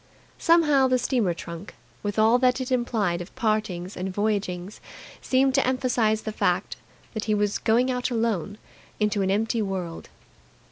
Somehow the steamer trunk, with all that it implied of partings and voyagings, seemed to emphasize the fact that he was going out alone into an empty world.